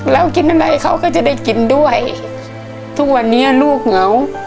แล้วกินอะไรเขาก็จะได้กินด้วยทุกวันนี้ลูกเหงา